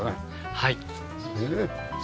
はい。